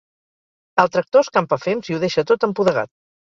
El tractor escampa fems i ho deixa tot empudegat.